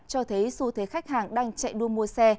cho thấy xu thế khách hàng đang chạy đua mua xe